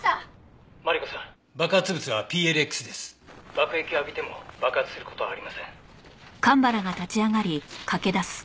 「爆液を浴びても爆発する事はありません」